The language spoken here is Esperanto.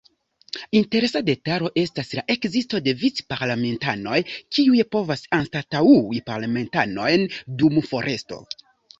Interesa detalo estas la ekzisto de "vic-parlamentanoj", kiuj povas anstataŭi parlamentanojn dum foresto.